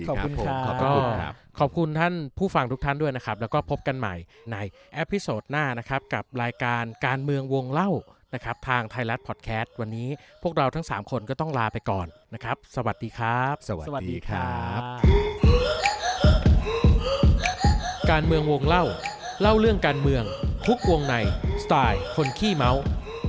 ขอบคุณค่ะขอบคุณครับขอบคุณครับขอบคุณครับขอบคุณครับขอบคุณครับขอบคุณครับขอบคุณครับขอบคุณครับขอบคุณครับขอบคุณครับขอบคุณครับขอบคุณครับขอบคุณครับขอบคุณครับขอบคุณท่านผู้ฟังทุกท่านด้วยนะครับแล้วก็พบกันใหม่ในแอปพิโสดหน้านะครับกับรายการการเมืองว